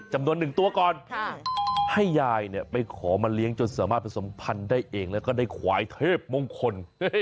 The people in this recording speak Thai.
จำนวนหนึ่งตัวก่อนให้ยายไปขอมาเลี้ยงจนสามารถผสมพันธุ์ได้เองแล้วก็ได้ควายเทพมงคล